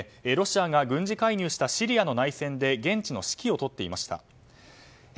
ロシアが軍事介入したシリアの内戦で現地の指揮を執っていました。